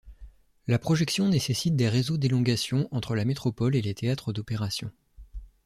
La projection nécessite des réseaux d'élongation entre la métropole et les théâtres d'opérations.